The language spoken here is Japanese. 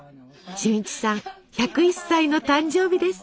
俊一さん１０１歳の誕生日です。